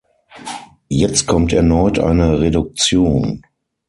Jetzt kommt erneut eine Reduktion.